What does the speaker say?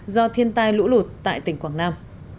do thiên tai lũ lụt tại tỉnh quảng nam